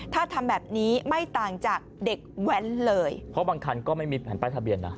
ถ้าทำแบบนี้ไม่ต่างจากเด็กแว้นเลยเพราะบางคันก็ไม่มีแผ่นป้ายทะเบียนนะ